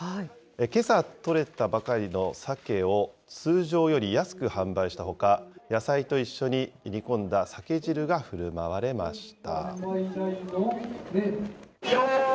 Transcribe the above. けさ取れたばかりのさけを通常より安く販売したほか、野菜と一緒に煮込んだ鮭汁がふるまわれました。